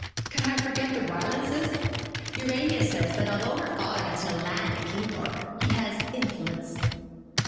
'Could I forget the Rylances? Urania says that although her father has no land at Kingthorpe, he has influence.'